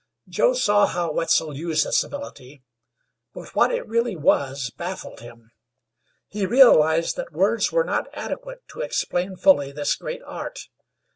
Joe saw how Wetzel used this ability, but what it really was baffled him. He realized that words were not adequate to explain fully this great art.